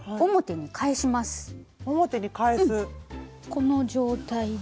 この状態で。